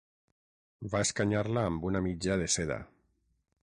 Va escanyar-la amb una mitja de seda.